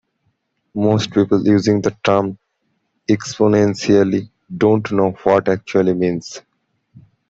Most people using the term "exponentially" don't know what it actually means.